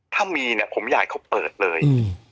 ถ้ามีเนี่ยผมอยากให้เขาเปิดเลย